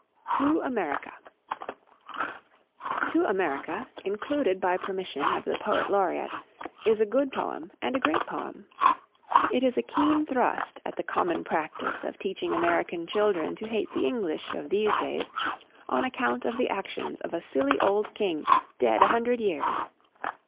TO AMERICA. "To America," included by permission of the Poet Laureate, is a good poem and a great poem. It is a keen thrust at the common practice of teaching American children to hate the English of these days on account of the actions of a silly old king dead a hundred years.